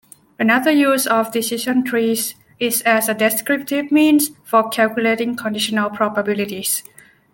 Another use of decision trees is as a descriptive means for calculating conditional probabilities.